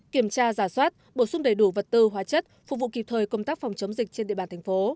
kiểm tra giả soát bổ sung đầy đủ vật tư hóa chất phục vụ kịp thời công tác phòng chống dịch trên địa bàn thành phố